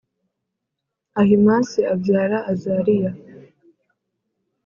Ahimasi abyara Azariya